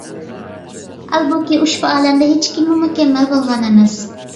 ھالبۇكى، ئۇشبۇ ئالەمدە ھېچكىممۇ مۇكەممەل بولغان ئەمەس.